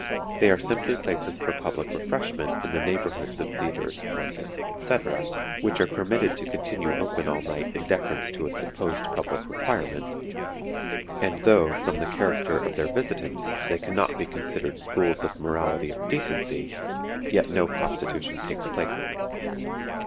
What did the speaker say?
They are simply places for public refreshment in the neighborhoods of theatres, markets, etc., which are permitted to continue open all night in deference to a supposed public requirement, and though, from the character of their visitants, they can not be considered schools of morality or decency, yet no prostitution takes place in them.